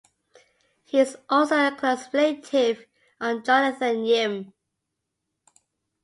He is also a close relative on Jonathan Yim.